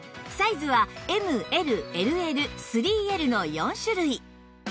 サイズは ＭＬＬＬ３Ｌ の４種類